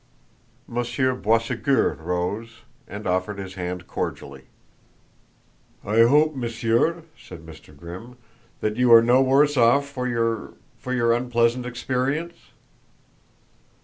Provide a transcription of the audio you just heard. Monsieur Boisségur rose, and offered his hand cordially. "I hope, Monsieur," said Mr. Grimm, "that you are no worse off for your your unpleasant experience?"